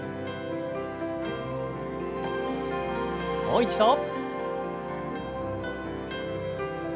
もう一度。